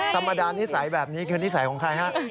ธรรมดานิสัยแบบนี้คือนิสัยของใครฮะ